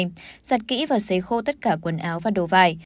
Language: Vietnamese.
giặt kỹ và xấy khô tất cả quần áo và đồ vải